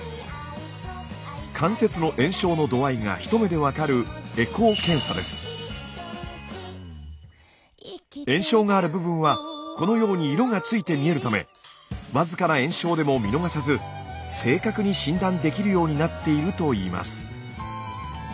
関節の炎症の度合いが一目で分かる炎症がある部分はこのように色がついて見えるため僅かな炎症でも見逃さず正確に診断できるようになっているといいます。